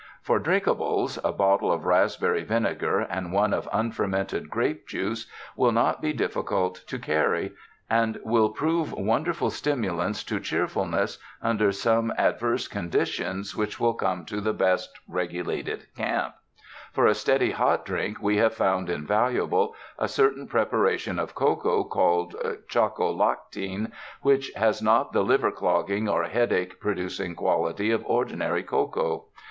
For drinkables, a bottle of raspberry vinegar and one of unfermented grape juice will not be difficult to carry, and will prove wonderful stimulants to cheerfulness under some adverse conditions which , 285 UNDER THE SKY IN CALIFORNIA will come to the best regulated camp. For a steady hot drink we have found invaluable a certain prepa ration of cocoa called choco lactine, which has not the liver clogging or headache producing quality of ordinary cocoa.